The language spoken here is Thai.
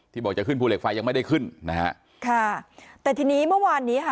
บอกจะขึ้นภูเหล็กไฟยังไม่ได้ขึ้นนะฮะค่ะแต่ทีนี้เมื่อวานนี้ค่ะ